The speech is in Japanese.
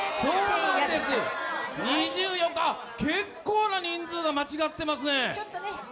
２４日、結構な人数が間違ってますね。